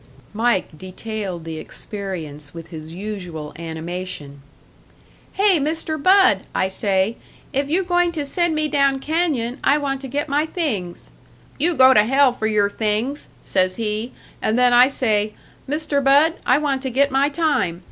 Mike detailed the experience with his usual animation. "'Hey, Mister Bud,' I say, 'if you going to send me down canyon, I want to get my things.' 'You go to hell for your things,' says he. And then I say, 'Mister Bud, I want to get my time.'